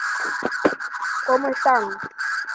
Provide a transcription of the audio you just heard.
Actualmente se disputa sobre cinco etapas.